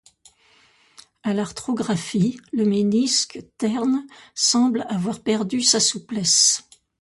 A l'arthrographie, le ménisque, terne, semble avoir perdu sa souplesse.